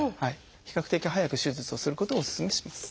比較的早く手術をすることをお勧めします。